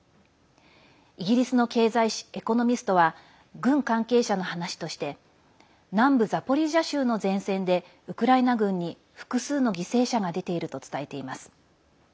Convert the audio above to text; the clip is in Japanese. イギリスの経済誌「エコノミスト」は軍関係者の話として南部ザポリージャ州の前線でウクライナ軍に複数の犠牲者が出ていると伝えています。